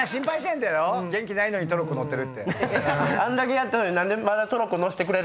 あんだけやったのに何でまだトロッコ乗せてくれるんやろ？